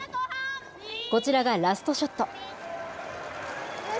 こちらがラストショット。